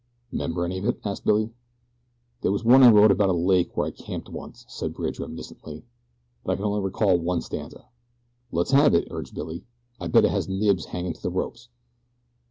"'Member any of it?" asked Billy. "There was one I wrote about a lake where I camped once," said Bridge, reminiscently; "but I can only recall one stanza." "Let's have it," urged Billy. "I bet it has Knibbs hangin' to the ropes."